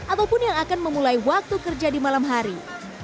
ataupun yang akan memulai waktu kerja di malam hari